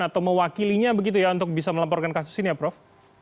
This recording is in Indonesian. atau mewakilinya begitu ya untuk bisa melaporkan kasus ini ya prof